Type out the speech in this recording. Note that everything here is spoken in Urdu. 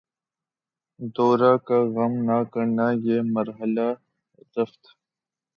دوراں کا غم نہ کرنا، یہ مرحلہ ء رفعت